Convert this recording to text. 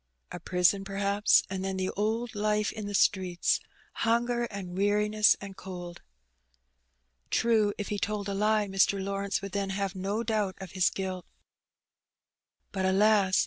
A prison, perhaps, and then the old life in the streets — ^hunger and weariness and cold. True, if he told a lie Mr. Lawrence would then have no doubt of his guilt. But, alas !